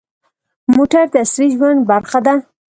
موټر د عصري ژوند برخه ده.